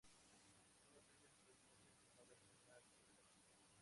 Todas ellas están muy transformadas en la actualidad.